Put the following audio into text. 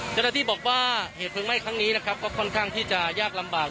เจ้าหน้าที่บอกว่าเหตุเพลิงไหม้ครั้งนี้นะครับก็ค่อนข้างที่จะยากลำบาก